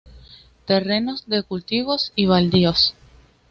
Terrenos de cultivos y baldíos.